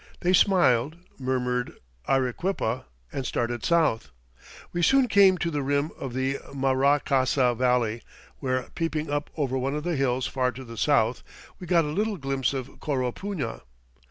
They smiled, murmured "Arequipa," and started south. We soon came to the rim of the Maraicasa Valley where, peeping up over one of the hills far to the south, we got a little glimpse of Coropuna.